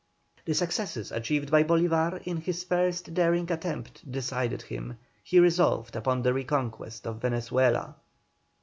The successes achieved by Bolívar in his first daring attempt decided him. He resolved upon the reconquest of Venezuela.